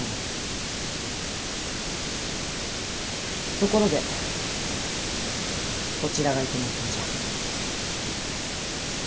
ところでこちらが暇金じゃ。